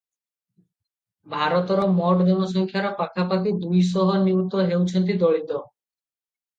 ଭାରତର ମୋଟ ଜନସଂଖ୍ୟାର ପାଖାପାଖି ଦୁଇଶହ ନିୟୁତ ହେଉଛନ୍ତି ଦଳିତ ।